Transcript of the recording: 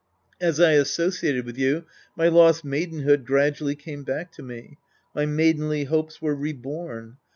As I associat ed with you, my lost maidenhood gradually came back to me. My maidenly hopes were reborn.